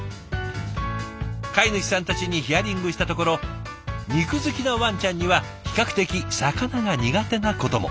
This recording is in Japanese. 飼い主さんたちにヒアリングしたところ肉好きなワンちゃんには比較的魚が苦手なことも。